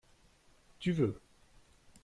tu veux.